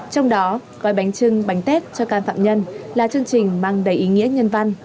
trong đó gói bánh trưng bánh tết cho các phạm nhân là chương trình mang đầy ý nghĩa nhân văn